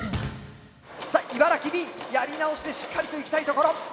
さあ茨城Ｂやり直してしっかりといきたいところ。